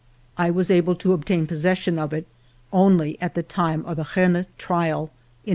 I was able to obtain posses sion of it only at the time of the Rennes trial in 1899.